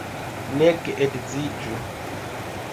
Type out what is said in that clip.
Ne geedziĝu.